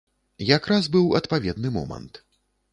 Якраз быў адпаведны момант.